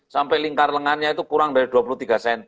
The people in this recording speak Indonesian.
sampai lingkar lengannya itu kurang dari dua puluh tiga cm